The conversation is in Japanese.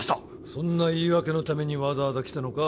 そんな言い訳のためにわざわざ来たのか？